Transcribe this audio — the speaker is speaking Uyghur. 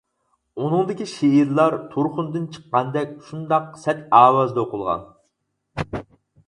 ئۇنىڭدىكى شېئىرلار تۇرخۇندىن چىققاندەك شۇنداق سەت ئاۋازدا ئوقۇلغان.